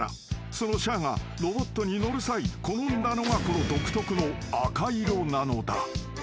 ［そのシャアがロボットに乗る際好んだのがこの独特の赤色なのだ］